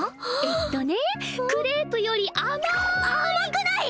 えっとねクレープより甘い甘くない！